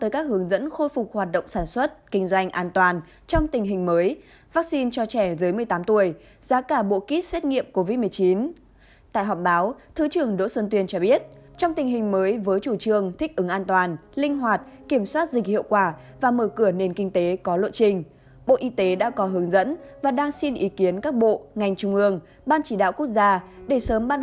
các bạn hãy đăng ký kênh để ủng hộ kênh của chúng mình nhé